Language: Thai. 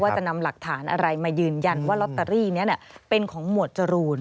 จะนำหลักฐานอะไรมายืนยันว่าลอตเตอรี่นี้เป็นของหมวดจรูน